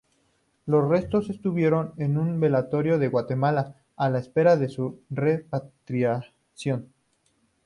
Los restos estuvieron en un velatorio de Guatemala a la espera de su repatriación.